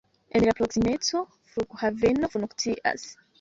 En la proksimeco flughaveno funkcias.